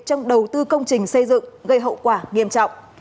trong đầu tư công trình xây dựng gây hậu quả nghiêm trọng